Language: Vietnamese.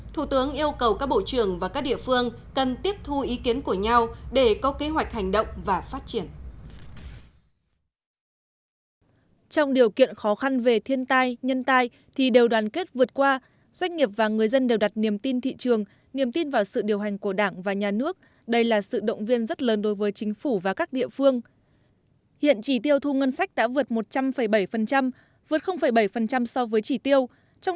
thủ tướng yêu cầu các bộ trưởng và các địa phương cần tiếp thu ý kiến của nhau để có kế hoạch hành động và phát triển